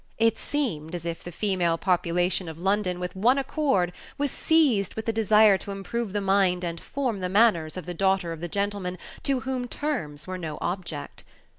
It seemed as if the female population of London, with one accord, was seized with the desire to improve the mind and form the manners of the daughter of the gentleman to whom terms were no object.